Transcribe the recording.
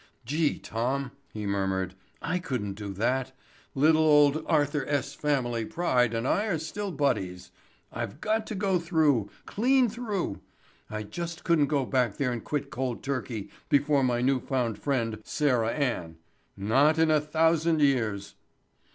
"Gee, Tom," he murmured. "I couldn't do that; little old Arthur S. Family Pride and I are still buddies. I've got to go through, clean through. I just couldn't go back there and quit cold turkey before my new found friend, Sarah Ann. Not in a thousand years."